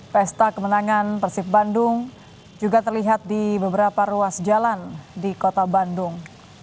pesta kemenangan persib bandung juga terlihat di beberapa ruas jalan di kota bandung